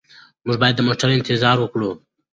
موږ باید د موټر انتظار وکړو.